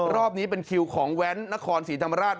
รอบนี้เป็นคิวของแว้นนครศรีธรรมราช